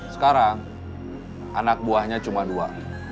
sekarang anak buahnya cuma dua